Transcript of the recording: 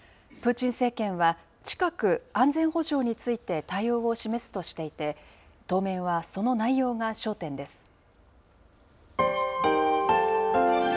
プーチン政権は、近く安全保障について対応を示すとしていて、当面は、その内容が焦点です。